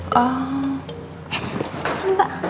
eh apa sih mbak